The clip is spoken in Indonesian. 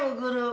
eh bu guru